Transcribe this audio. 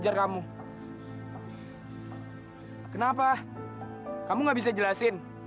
apa apaan sini ah